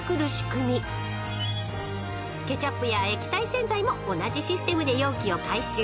［ケチャップや液体洗剤も同じシステムで容器を回収］